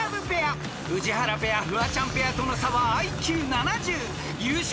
［宇治原ペアフワちゃんペアとの差はＩＱ７０］